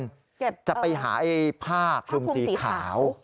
เก็บเออคุณสีขาวจะไปหาไอ้ภาคคุณสีขาว